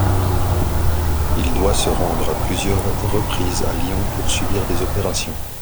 Il doit se rendre à plusieurs reprises à Lyon pour subir des opérations.